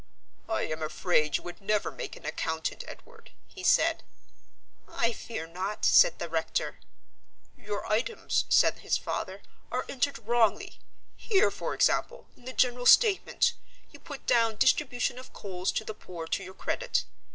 "I am afraid you would never make an accountant, Edward," he said. "I fear not," said the rector. "Your items," said his father, "are entered wrongly. Here, for example, in the general statement, you put down Distribution of Coals to the Poor to your credit.